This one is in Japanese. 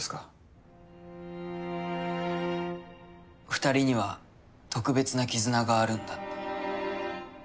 ２人には特別な絆があるんだって。